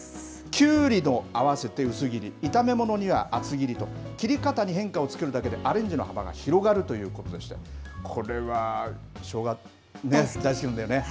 きゅうりと合わせて薄切り、炒め物には厚切りなど、切り方に変化をつけるだけで、アレンジの幅が広がるということでして、これは、しょうがね、大好きなんだよね。